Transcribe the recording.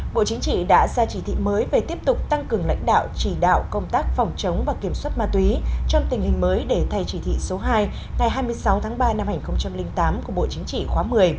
bộ chính trị đã ra chỉ thị mới về tiếp tục tăng cường lãnh đạo chỉ đạo công tác phòng chống và kiểm soát ma túy trong tình hình mới để thay chỉ thị số hai ngày hai mươi sáu tháng ba năm hai nghìn tám của bộ chính trị khóa một mươi